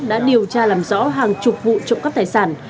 đã điều tra làm rõ hàng chục vụ trộm cắp tài sản